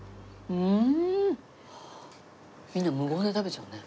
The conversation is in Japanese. うん。